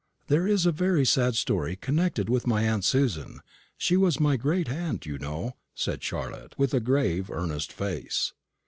"There is a very sad story connected with my aunt Susan she was my great aunt, you know," said Charlotte, with a grave earnest face.